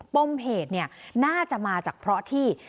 ปมเหตุน่าจะมาจากเพราะที่